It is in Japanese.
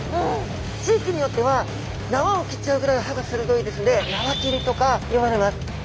地域によっては縄を切っちゃうぐらい歯が鋭いですのでナワキリとかいわれます。